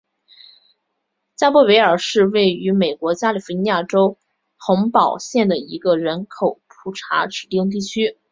加伯维尔是位于美国加利福尼亚州洪堡县的一个人口普查指定地区。